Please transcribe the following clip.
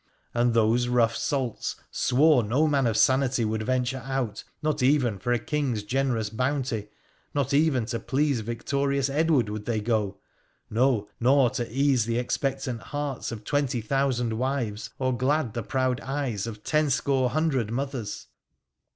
And those rough salts swore no man of sanity would venture out — not even for a King's generous bounty — not even to please victorious Edward would they go — no, nor to ease the expectant hearts of twenty thousand wives, or glad the proud eyes of ten score hundred mothers.